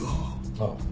ああ。